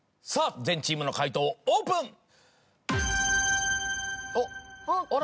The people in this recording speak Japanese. さぁ全チームの解答オープン！